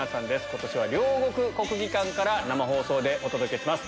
今年は両国・国技館から生放送でお届けします。